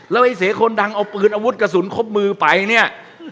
แล้วไอ้เสคนดังเอาปืนอาวุธกระสุนครบมือไปเนี่ย